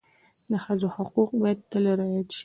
د ښځو حقوق باید تل رعایت شي.